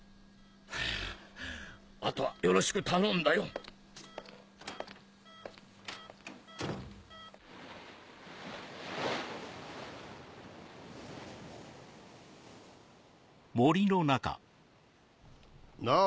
はぁ後はよろしく頼んだよ。なぁ